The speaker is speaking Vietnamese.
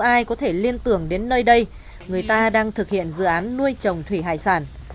ai có thể liên tưởng đến nơi đây người ta đang thực hiện dự án nuôi trồng thủy hải sản